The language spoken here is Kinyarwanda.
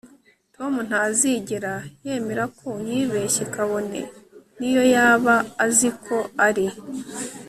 Tom ntazigera yemera ko yibeshye kabone niyo yaba azi ko ari